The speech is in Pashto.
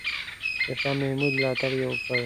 د شاه محمود ملاتړ یې وکړ.